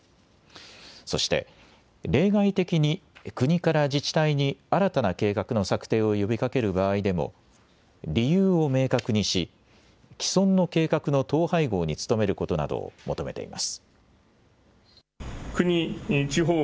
そして例外的に国から自治体に新たな計画の策定を呼びかける場合でも理由を明確にし既存の計画の統廃合に努めることなどを求めています。